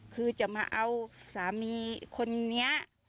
คือจะมาเอาสามีคนนี้